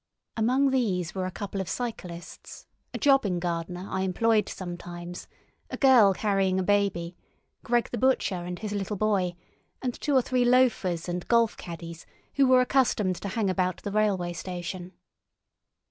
Among these were a couple of cyclists, a jobbing gardener I employed sometimes, a girl carrying a baby, Gregg the butcher and his little boy, and two or three loafers and golf caddies who were accustomed to hang about the railway station.